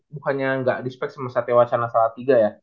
bukannya gak dispeks sama satya wacana salah tiga ya